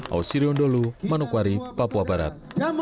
ausirion dholu manokwari papua barat